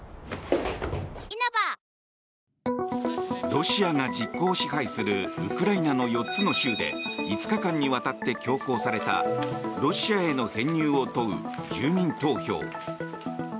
ロシアが実効支配するウクライナの４つの州で５日間にわたって強行されたロシアへの編入を問う住民投票。